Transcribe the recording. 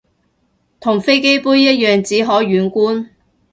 同飛機杯一樣只可遠觀